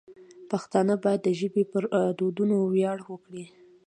پښتانه باید د ژبې پر دودونو ویاړ وکړي.